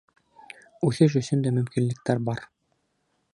— Үҫеш өсөн дә мөмкинлектәр бар.